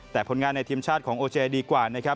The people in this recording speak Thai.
แต่ผลงานในทีมชาติของโอเจเบจดีกว่า